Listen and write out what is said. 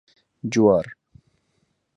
🌽 جوار